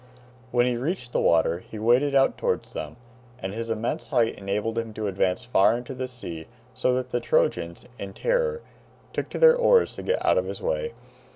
When he reached the water, he waded out towards them, and his immense height enabled him to advance far into the sea, so that the Trojans, in terror, took to their oars to get out of his way.